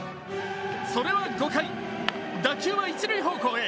それは５回、打球は一塁方向へ。